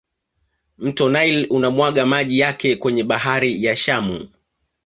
mto nile unamwaga maji yake kwenye bahari ya shamu